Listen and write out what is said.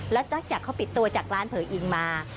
แล้วจั๊กอยากเขาปิดตัวจากร้านเผยอิงมา